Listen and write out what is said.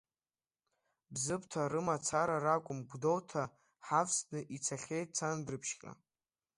Бзыԥҭаа рымацара ракәым, Гәдоуҭаа ҳавсны ицахьеит Цандрыԥшьҟа.